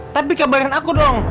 tapi kabarin aku dong